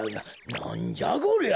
なんじゃこりゃ？